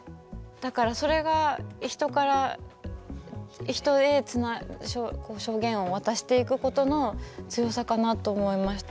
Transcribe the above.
だからそれが人から人へ証言を渡していくことの強さかなと思いました。